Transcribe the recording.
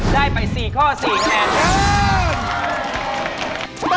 ได้ไป๔ข้อ๔คะแนนเยี่ยม